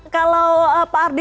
kalau pak ardi